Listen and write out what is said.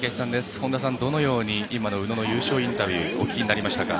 本田さん、どのように今の宇野の優勝インタビューをお聞きになりましたか？